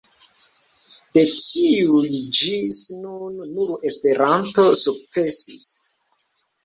De tiuj ĝis nun nur Esperanto sukcesis.